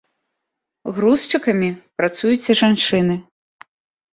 Грузчыкамі працуюць і жанчыны.